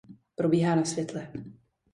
Probíhá na světle.